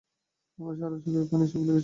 আমার সারা শরীরে পানি এসে ফুলে গিয়েছে।